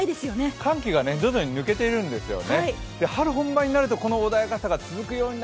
寒気が徐々に抜けているんですよね。